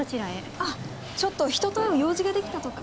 あっちょっと人と会う用事が出来たとか。